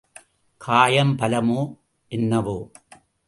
காயம் பலமோ என்னவோ!